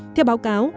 theo báo cáo